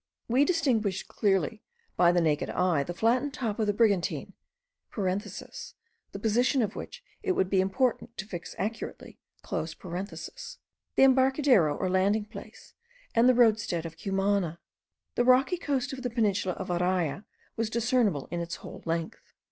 We distinguished clearly by the naked eye the flattened top of the Brigantine (the position of which it would be important to fix accurately), the embarcadero or landing place, and the roadstead of Cumana. The rocky coast of the peninsula of Araya was discernible in its whole length.